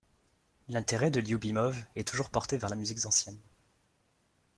L'intérêt de Lioubimov est toujours porté vers la musique ancienne.